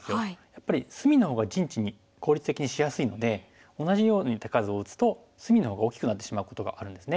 やっぱり隅の方が陣地に効率的にしやすいので同じように手数を打つと隅の方が大きくなってしまうことがあるんですね。